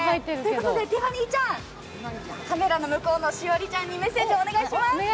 ティファニーちゃん、カメラの向こうの栞里ちゃんにメッセージお願いします。